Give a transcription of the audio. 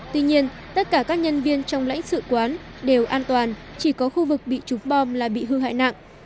tuy nhiên tất cả các nhân viên trong lãnh sự quán đều an toàn chỉ có khu vực bị trục bom là bị hư hại nặng